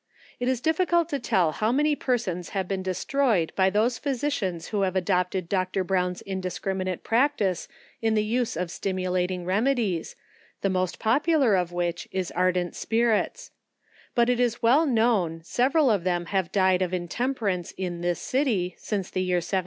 It is difficult to tell how many persons have been destroyed by those physicians who have adopted Dr. Brown's indis criminate practice in the use of stimulating remedies, the most popular of winch is ardent spirits, but it is well known several of them have died of intemperance in this city, since the year 1790.